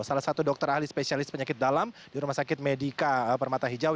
salah satu dokter ahli spesialis penyakit dalam di rumah sakit medika permata hijau